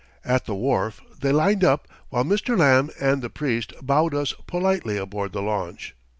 At the wharf they lined up while Mr. Lamb and the priest bowed us politely aboard the launch.